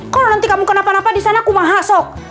kalau nanti kamu kenapa napa di sana kumaha sok